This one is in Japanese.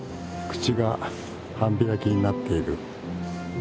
口が半開きになっている。